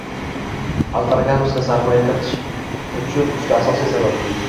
Alfraganus’ga sarmoya kiritish uchunuchta asosiy sabab